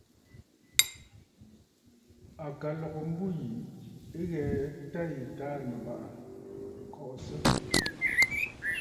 À ka lɔ̀gə mbû yì ɨ ghɛ tâ yì Taà Nɨ̀bàʼà kɔʼɔsə.